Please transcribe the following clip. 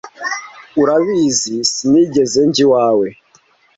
Urabizi, Sinigeze njya iwawe.